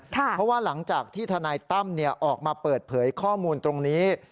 เพราะว่าหลังจากที่ทนายตั้มออกมาเปิดเผยข้อมูลตรงนี้